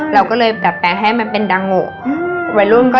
เราก็เลยดับแป้งให้มันเป็นดังโห